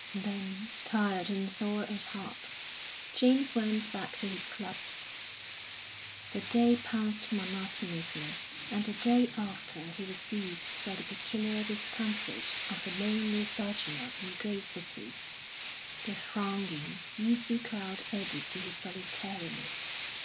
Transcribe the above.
Then, tired and sore at heart, James went back to his club. The day passed monotonously, and the day after he was seized by the peculiar discomfort of the lonely sojourner in great cities. The thronging, busy crowd added to his solitariness.